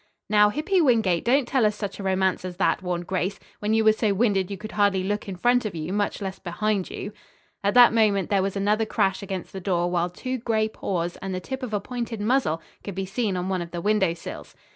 "Now, Hippy Wingate, don't tell us such a romance as that," warned Grace, "when you were so winded you could hardly look in front of you, much less behind you." At that moment there was another crash against the door while two gray paws and the tip of a pointed muzzle could be seen on one of the window sills.